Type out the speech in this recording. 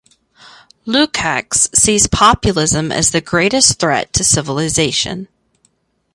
Lukacs sees populism as the greatest threat to civilization.